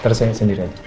terus saya sendiri aja